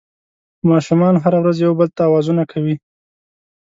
ماشومان هره ورځ یو بل ته اوازونه کوي